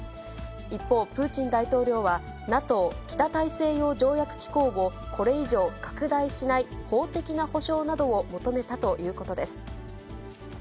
一方、プーチン大統領はＮＡＴＯ・北大西洋条約機構をこれ以上拡大しない法的な保証などを求めたということです。